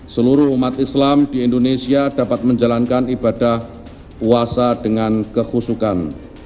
seluruh umat islam di indonesia dapat menjalankan ibadah puasa dengan kehusukan